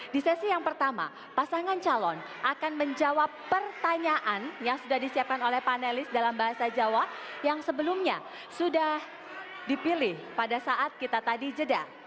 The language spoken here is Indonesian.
di sesi yang pertama pasangan calon akan menjawab pertanyaan yang sudah disiapkan oleh panelis dalam bahasa jawa yang sebelumnya sudah dipilih pada saat kita tadi jeda